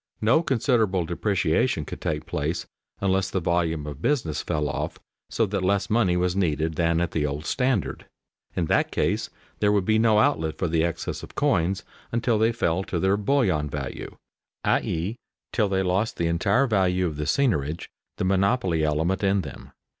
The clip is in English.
No considerable depreciation could take place unless the volume of business fell off so that less money was needed than at the old standard. In that case there would be no outlet for the excess of coins until they fell to their bullion value, i.e., till they lost the entire value of the seigniorage, the monopoly element in them.